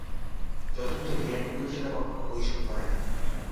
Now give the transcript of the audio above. যথার্থ জ্ঞানী পুরুষেরা কখনও ঐ-সব করেন না।